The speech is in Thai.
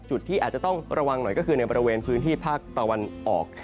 จุดที่อาจจะต้องระวังหน่อยก็คือในบริเวณพื้นที่ภาคตะวันออก